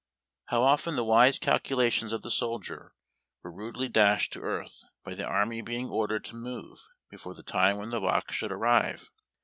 How often the wise calculations of the soldier were rudely dashed to earth by the army being ordered to move before the time when the box should arrive